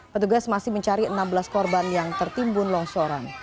petugas masih mencari enam belas korban yang tertimbun longsoran